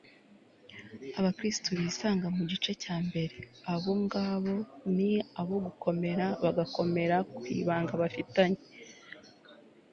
abakristu bisanga mu gice cya mbere, abo ngabo ni abo gukomera bagakomera ku ibanga bafitanye